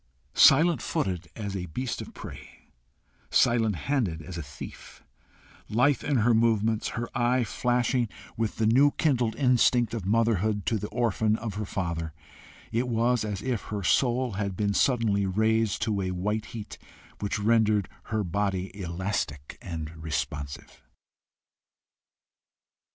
Silent footed as a beast of prey, silent handed as a thief, lithe in her movements, her eye flashing with the new kindled instinct of motherhood to the orphan of her father, it was as if her soul had been suddenly raised to a white heat, which rendered her body elastic and responsive.